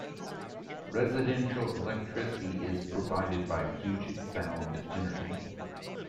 Residential electricity is provided by Puget Sound Energy.